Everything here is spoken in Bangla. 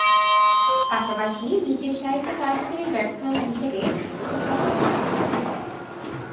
পাশাপাশি নিচেরসারিতে কার্যকরী ব্যাটসম্যান হিসেবে উপস্থাপন করেন।